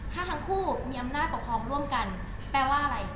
ถ้าทั้งคู่มีอำนาจปกครองร่วมกันแปลว่าอะไร